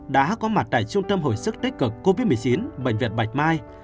đã có mặt tại trung tâm hồi sức tích cực covid một mươi chín bệnh viện bạch mai